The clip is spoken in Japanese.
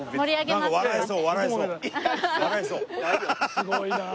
すごいなあ。